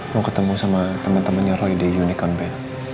mau ketemu sama temen temennya roy di unicorn band